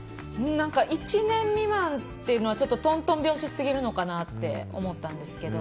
１年未満っていうのはとんとん拍子過ぎるのかなと思ったんですけど。